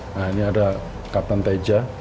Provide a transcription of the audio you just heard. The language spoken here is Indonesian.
nah ini ada kapten teja